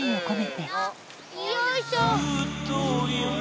よいしょ！